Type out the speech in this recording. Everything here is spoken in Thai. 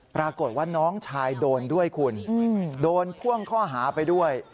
ปรากฏว่าน้องชายโดนด้วยคุณโดนพ่วงข้อหาไปด้วย